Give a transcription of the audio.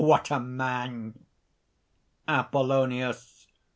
What a man!" APOLLONIUS.